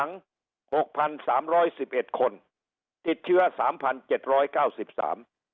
หกพันสามร้อยสิบเอ็ดคนติดเชื้อสามพันเจ็ดร้อยเก้าสิบสาม